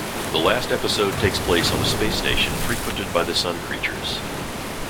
The last episode takes place on a space station frequented by the Sun creatures.